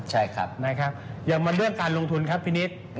ใช่ครับนะครับอย่างมาเรื่องการลงทุนครับพี่นิด